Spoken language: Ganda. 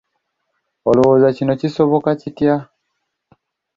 Olowooza kino kisoboka kitya?